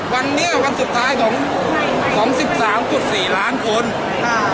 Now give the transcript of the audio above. วันนี้วันสุดท้ายของของสิบสามจุดสี่ล้านคนค่ะ